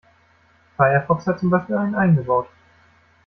Firefox hat zum Beispiel einen eingebaut.